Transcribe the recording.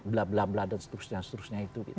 blah blah blah dan seterusnya seterusnya itu